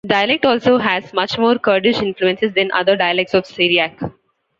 The dialect also has much more Kurdish influences then other dialects of Syriac.